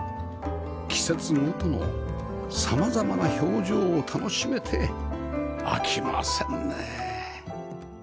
季節ごとの様々な表情を楽しめて飽きませんね